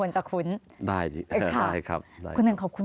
สวัสดีครับทุกคน